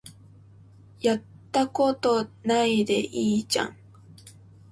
やったことないでいいじゃん